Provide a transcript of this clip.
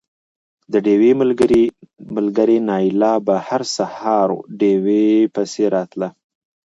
د ډېوې ملګرې نايله به هر سهار ډېوې پسې راتله